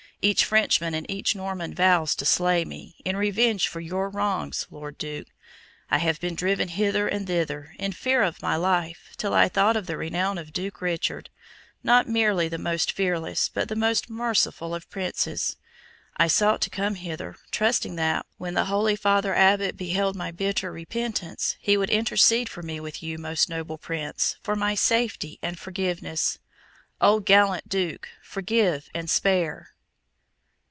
Each Frenchman and each Norman vows to slay me, in revenge for your wrongs, Lord Duke. I have been driven hither and thither, in fear of my life, till I thought of the renown of Duke Richard, not merely the most fearless, but the most merciful of Princes. I sought to come hither, trusting that, when the holy Father Abbot beheld my bitter repentance, he would intercede for me with you, most noble Prince, for my safety and forgiveness. Oh, gallant Duke, forgive and spare!"